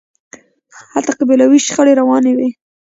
هلته قبیلوي شخړې روانې وي.